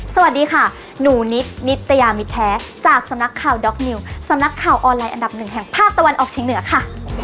สวัสดีค่ะหนูนิดนิตยามิดแท้จากสำนักข่าวด็อกนิวสำนักข่าวออนไลน์อันดับหนึ่งแห่งภาคตะวันออกเชียงเหนือค่ะ